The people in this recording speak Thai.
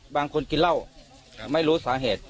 กินเหล้าไม่รู้สาเหตุ